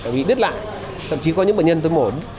bị đứt lại thậm chí có những bệnh nhân tới mổn